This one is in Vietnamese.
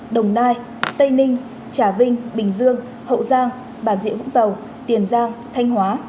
đồng nai tây ninh trà vinh bình dương hậu giang bà rịa vũng tàu tiền giang thanh hóa